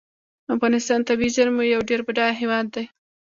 افغانستان د طبیعي زیرمو یو ډیر بډایه هیواد دی.